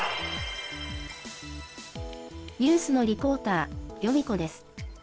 ニュースのリポーター、ヨミ子です。